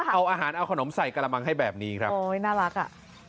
เอาอาหารเอาขนมใส่กระมังให้แบบนี้ครับโอ้ยน่ารักอ่ะ